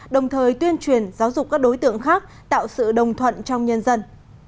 đồng thời tuyên truyền giáo dục các đối tượng khác tạo sự đồng thuận trong nhân dân